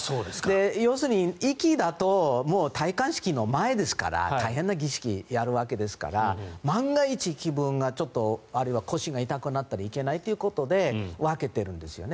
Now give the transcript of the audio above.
要するに、行きだと戴冠式の前ですから大変な儀式をやるわけですから万が一、気分がちょっとあるいは腰が痛くなったらいけないということで分けているんですよね。